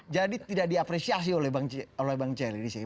jadi tidak diapresiasi oleh bang celi di sini